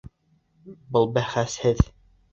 Был бәхәсһеҙ.